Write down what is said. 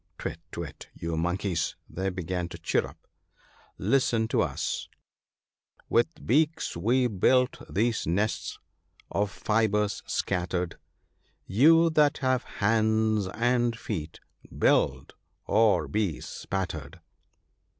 " Twit ! twit ! you Monkeys," they began to chirrup. " Listen to us !—" With beaks we built these nests, of fibres scattered ; You that have hands and feet, build, or be spattered."